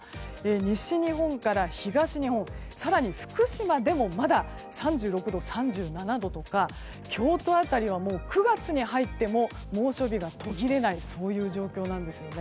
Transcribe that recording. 西日本から東日本、更に福島でもまだ３６度、３７度とか京都辺りは９月に入っても猛暑日が途切れない状況です。